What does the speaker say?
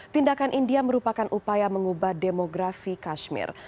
tindakan india merupakan upaya mengubah demografi kashmir